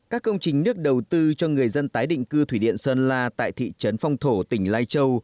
các công trình nước đầu tư cho người dân tái định cư thủy điện sơn la tại thị trấn phong thổ tỉnh lai châu